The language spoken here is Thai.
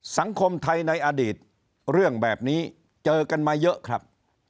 สังคมไทยในอดีตเรื่องแบบนี้เจอกันมาเยอะครับ